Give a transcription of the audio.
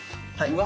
うわ。